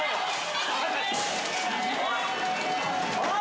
おい！